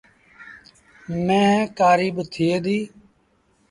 ميݩهن ڪآريٚ با ٿئي ديٚ ۔